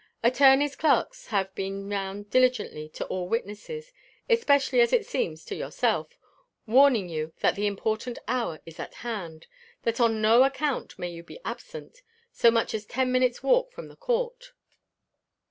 Attorneys' clerks have been round diligently to all witnesses, especially as it seems to yourself, warning you that the important hour is at hand that on no account may you be absent, so much as ten minutes' walk from the court.